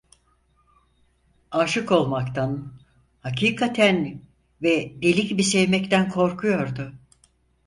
Âşık olmaktan, hakikaten ve deli gibi sevmekten korkuyordu.